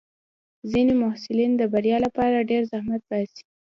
ځینې محصلین د بریا لپاره ډېر زحمت باسي.